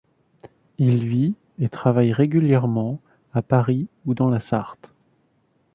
Il vit et travaille régulièrement à Paris ou dans la Sarthe.